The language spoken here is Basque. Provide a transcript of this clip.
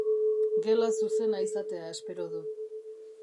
Gela zuzena izatea espero du.